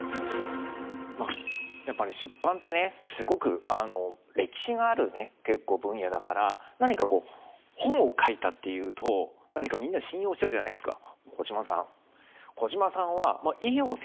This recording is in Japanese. まあやっぱり出版ってねすごく歴史がある結構分野だから何かこう「本を書いた」っていうと何かみんな信用しちゃうじゃないですか。